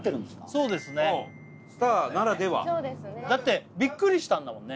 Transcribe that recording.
そうですねスターならでは？だってビックリしたんだもんね？